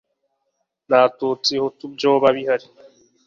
nta tutsi hutu byoba bihali